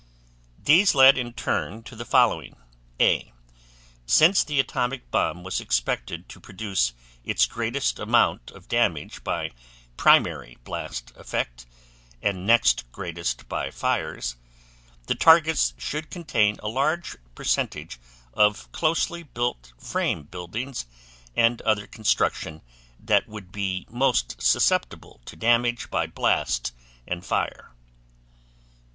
These led in turn to the following: A. Since the atomic bomb was expected to produce its greatest amount of damage by primary blast effect, and next greatest by fires, the targets should contain a large percentage of closely built frame buildings and other construction that would be most susceptible to damage by blast and fire.